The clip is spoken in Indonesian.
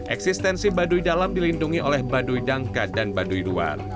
eksistensi baduy dalam dilindungi oleh baduy dangka dan baduy luar